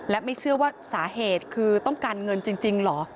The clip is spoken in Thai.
และไม่เชื่อว่าสาเหตุคือต้องการเงินจริงเหรอ